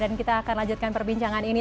dan kita akan lanjutkan perbincangan ini